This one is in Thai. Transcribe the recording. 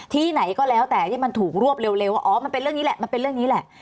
ที่ไหนก็แล้วแต่มันถูกรวบเร็วว่าอ๋อมันเป็นเรื่องนี้แหละ